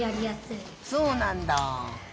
そうなんだ。